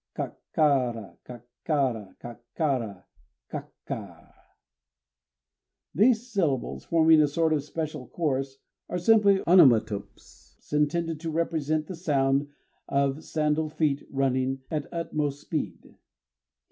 _ KAKKARA, KAKKARA, KAKKARA, KAKKA! These syllables, forming a sort of special chorus, are simply onomatopes; intended to represent the sound of sandalled feet running at utmost speed.